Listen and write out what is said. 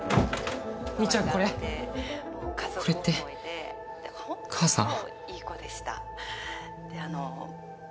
兄ちゃんこれこれって母さん？